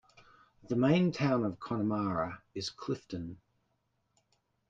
The main town of Connemara is Clifden.